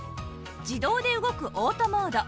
自動で動くオートモード